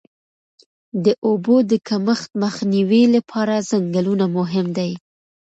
د اوبو د کمښت مخنیوي لپاره ځنګلونه مهم دي.